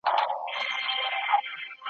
مېله وال د شاله مار یو ګوندي راسي `